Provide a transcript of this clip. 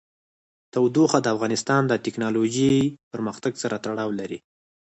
تودوخه د افغانستان د تکنالوژۍ پرمختګ سره تړاو لري.